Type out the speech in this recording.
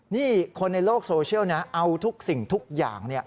นี่คนในโลกโซเชียลนะเอาทุกสิ่งทุกอย่าง